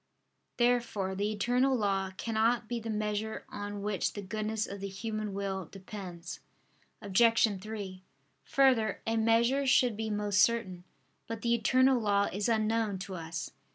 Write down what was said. Therefore the eternal law cannot be the measure on which the goodness of the human will depends. Obj. 3: Further, a measure should be most certain. But the eternal law is unknown to us.